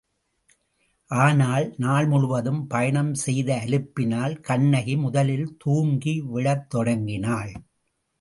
ஆனால், நாள் முழுவதும் பயணம் செய்த அலுப்பினால் கண்ணகி முதலில் தூங்கி விழத் தொடங்கினாள்.